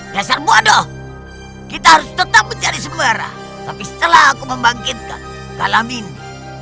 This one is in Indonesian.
dasar bodoh kita harus tetap menjadi semara tapi setelah aku membangkitkan kalamindi